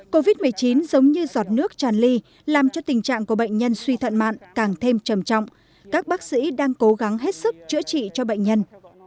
covid một mươi chín giống như giọt nước tràn ly làm cho tình trạng của bệnh nhân suy thận mạn càng thêm trầm trọng các bác sĩ đang cố gắng hết sức chữa trị cho bệnh nhân